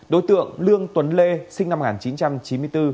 đối tượng lương tuấn lê sinh năm một nghìn chín trăm chín mươi bốn